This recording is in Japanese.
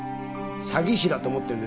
詐欺師だと思ってるんですよ。